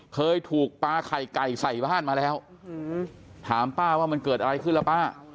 เคยถูกปลาไข่ไก่ใส่บ้านมาแล้วถามป้าว่ามันเกิดอะไรขึ้นล่ะป้า